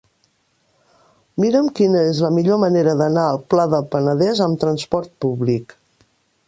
Mira'm quina és la millor manera d'anar al Pla del Penedès amb trasport públic.